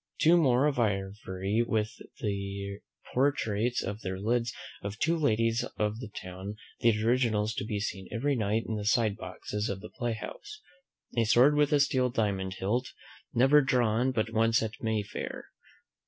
Two more of ivory, with the portraitures on their lids of two ladies of the town; the originals to be seen every night in the side boxes of the playhouse. A sword with a steel diamond hilt, never drawn but once at May fair.